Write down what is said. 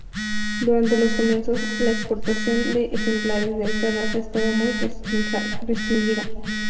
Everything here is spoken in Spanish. Durante los comienzos, la exportación de ejemplares de esta raza estaba muy restringida.